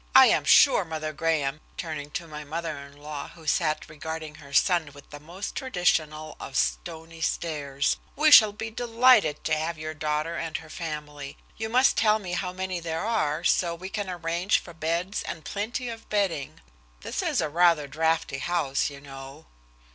"I am sure Mother Graham," turning to my mother in law who sat regarding her son with the most traditional of "stony stares," "we shall be delighted to have your daughter and her family. You must tell me how many there are so we can arrange for beds and plenty of bedding. This is a rather draughty house, you know."